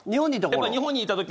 日本にいた頃。